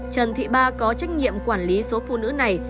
trần thị ba có trách nhiệm quản lý số phụ nữ này